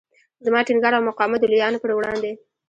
زما ټینګار او مقاومت د لویانو پر وړاندې.